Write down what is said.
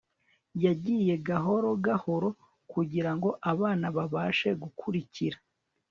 yagiye gahoro gahoro kugirango abana babashe gukurikira